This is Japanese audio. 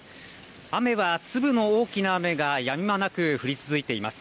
雨は粒の大きな雨がやみ間なく降り続いています。